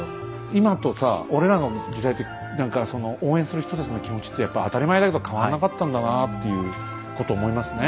今とさ俺らの時代と何かその応援する人たちの気持ちってやっぱ当たり前だけど変わらなかったんだなっていうことを思いますね。